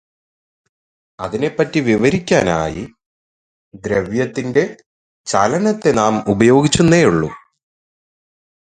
അതിനെപ്പറ്റി വിവരിക്കാനായി ദ്രവ്യത്തിന്റെ ചലനത്തെ നാം ഉപയോഗിച്ചുവെന്നേ ഉള്ളൂ.